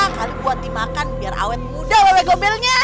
kali buat dimakan biar awet muda ww gombelnya